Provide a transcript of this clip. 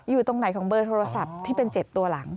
อยู่ตรงไหนของเบอร์โทรศัพท์ที่เป็น๗ตัวหลัง